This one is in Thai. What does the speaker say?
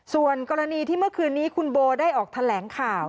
ส่วนกรณีที่เมื่อคืนนี้คุณโบได้ออกแถลงข่าว